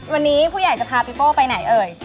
วันนี้ผู้ใหญ่จะพาพี่โป้ไปไหนเอ่ย